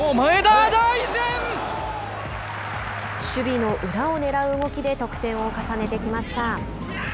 守備の裏をねらう動きで得点を重ねてきました。